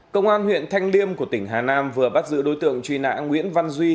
công an huyện thanh liêm của tỉnh hà nam vừa bắt giữ đối tượng truy nã nguyễn văn duy